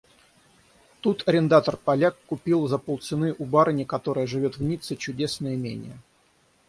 Тут арендатор-Поляк купил за полцены у барыни, которая живет в Ницце, чудесное имение.